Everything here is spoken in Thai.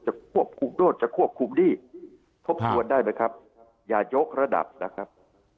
ควบคุมโน่นจะควบคุมหนี้ทบทวนได้ไหมครับอย่ายกระดับนะครับ